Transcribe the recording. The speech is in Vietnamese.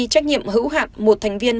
trách nhiệm hữu hạn một thành viên